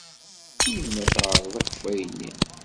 Yemma teɛreḍ akeffay-nni.